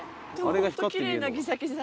ホント奇麗なギザギザ。